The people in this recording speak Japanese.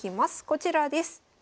こちらです。